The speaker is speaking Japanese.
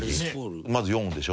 まず４本でしょ。